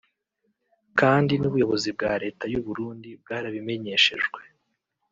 kandi n’ubuyobozi bwa Leta y’u Burundi bwarabimenyeshejwe